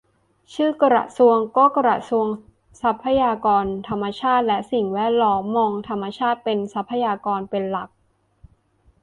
ชื่อกระทรวงก็กระทรวงทรัพยากรธรรมชาติและสิ่งแวดล้อม มองธรรมชาติเป็นทรัพยากรเป็นหลัก